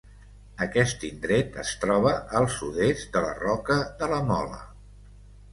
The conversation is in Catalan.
Aquest indret es troba al sud-est de la Roca de la Mola.